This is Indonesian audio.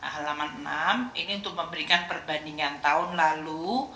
halaman enam ini untuk memberikan perbandingan tahun lalu